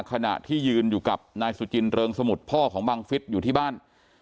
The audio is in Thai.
ขณะที่ยืนอยู่กับนายสุจินเริงสมุทรพ่อของบังฟิศอยู่ที่บ้าน